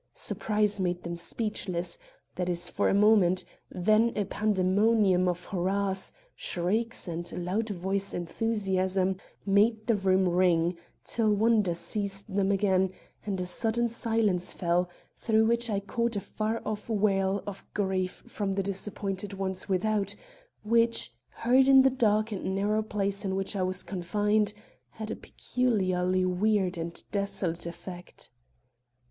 Surprise made them speechless, that is, for a moment; then a pandemonium of hurrahs, shrieks and loud voiced enthusiasm made the room ring, till wonder seized them again, and a sudden silence fell, through which I caught a far off wail of grief from the disappointed ones without, which, heard in the dark and narrow place in which I was confined, had a peculiarly weird and desolate effect.